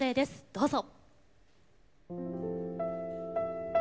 どうぞ。